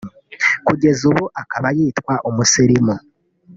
kugeza ubu akaba yitwa umusirimu